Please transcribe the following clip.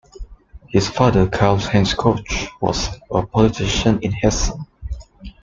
His father Karl-Heinz Koch was a politician in Hessen.